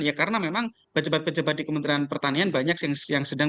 ya karena memang pejabat pejabat di kementerian pertanian banyak yang sedang